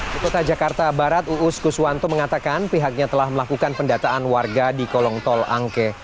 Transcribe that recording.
di kota jakarta barat uus kuswanto mengatakan pihaknya telah melakukan pendataan warga di kolong tol angke